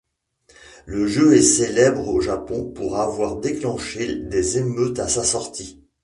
Le jeu est célèbre au Japon pour avoir déclenché des émeutes à sa sortie.